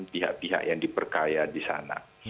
pihak pihak yang diperkaya di sana